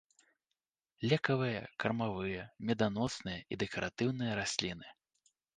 Лекавыя, кармавыя, меданосныя і дэкаратыўныя расліны.